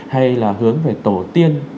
hay là hướng về tổ tiên